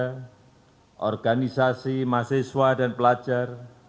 dan juga organisasi mahasiswa dan pelajar